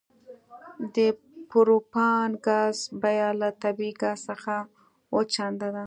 د پروپان ګاز بیه له طبیعي ګاز څخه اوه چنده ده